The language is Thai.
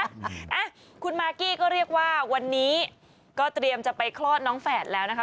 อ่ะคุณมากกี้ก็เรียกว่าวันนี้ก็เตรียมจะไปคลอดน้องแฝดแล้วนะคะ